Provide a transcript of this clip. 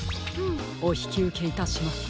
おひきうけいたします。